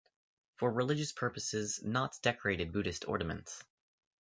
For religious purposes knots decorated Buddhist ornaments.